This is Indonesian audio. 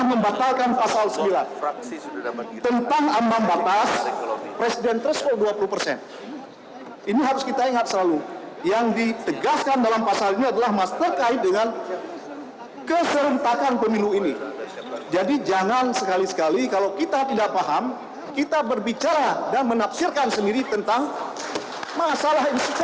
ini adalah masalah institusional